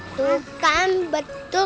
itu kan betul